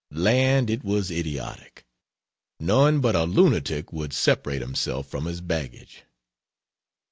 Land! it was idiotic. None but a lunatic would, separate himself from his baggage.